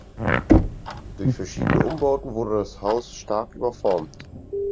Durch verschiedene Umbauten wurde das Haus stark überformt.